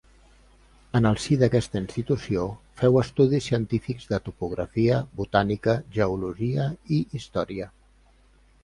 En el si d'aquesta institució féu estudis científics de topografia, botànica, geologia i història.